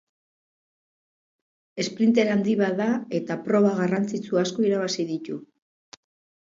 Esprinter handi bat da eta proba garrantzitsu asko irabazi ditu.